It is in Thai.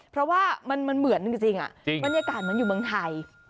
เพราะว่ามันเหมือนจริงบรรยากาศเหมือนอยู่เมืองไทย